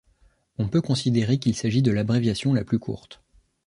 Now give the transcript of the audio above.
On peut considérer qu'il s'agit de l'abréviation la plus courte.